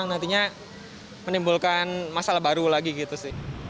nantinya menimbulkan masalah baru lagi gitu sih